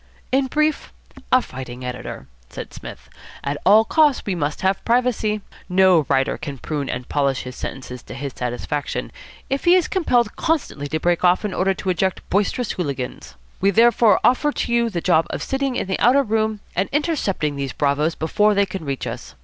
"In brief, a fighting editor," said Psmith. "At all costs we must have privacy. No writer can prune and polish his sentences to his satisfaction if he is compelled constantly to break off in order to eject boisterous hooligans. We therefore offer you the job of sitting in the outer room and intercepting these bravoes before they can reach us.